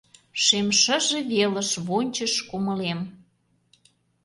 Шем шыже велыш вончыш кумылем.